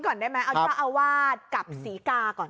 เอาอย่างนี้ก่อนได้ไหมเอาว่ากับสีกล้าก่อน